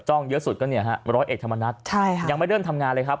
เยอะสุดก็เนี่ยฮะร้อยเอกธรรมนัฐใช่ค่ะยังไม่เริ่มทำงานเลยครับ